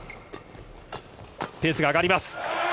ペースが上がります。